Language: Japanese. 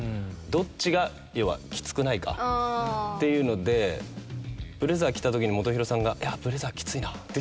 どっちが要はきつくないかっていうのでブレザー着たときに本広さんが「いやブレザーきついな」って。